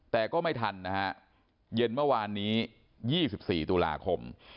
แต่ก็ไม่ทันนะฮะเย็นเมื่อวานนี้๒๔ตุลาคม